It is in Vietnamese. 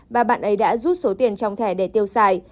ba bạn ấy đã rút số tiền trong thẻ để tiêu xài